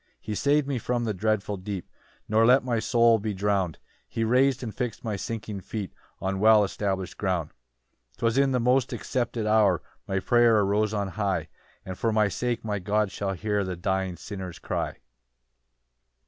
11 "He sav'd me from the dreadful deep, "Nor let my soul be drown'd; "He rais'd and fix'd my sinking feet "On well establish'd ground. 12 "'Twas in a most accepted hour "My prayer arose on high, "And for my sake my God shall hear "The dying sinner's cry."